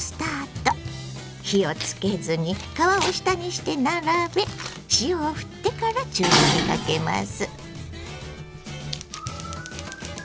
火をつけずに皮を下にして並べ塩をふってから中火にかけます。